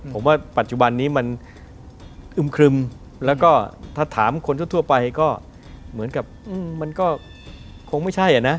ผมว่าปัจจุบันนี้มันอึมครึมแล้วก็ถ้าถามคนทั่วไปก็เหมือนกับมันก็คงไม่ใช่นะ